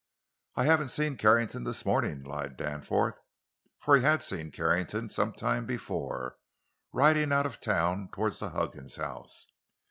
"I haven't seen Carrington this morning," lied Danforth, for he had seen Carrington some time before, riding out of town toward the Huggins house.